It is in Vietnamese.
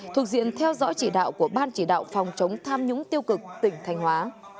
thuộc diện theo dõi chỉ đạo của ban chỉ đạo phòng chống tham nhúng tiêu cực tỉnh thành hóa